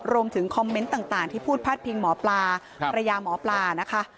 รวมถึงคอมเมนต์ต่างที่พูดพาดพิงหมอปลาภรรยาหมอปลานะคะ